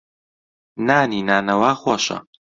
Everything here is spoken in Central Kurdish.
نانی نانەوا خۆشە.